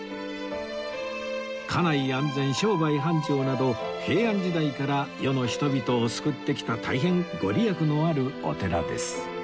家内安全商売繁盛など平安時代から世の人々を救ってきた大変ご利益のあるお寺です